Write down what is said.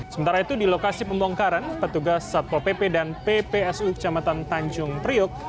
sementara itu di lokasi pembongkaran petugas satpol pp dan ppsu kecamatan tanjung priuk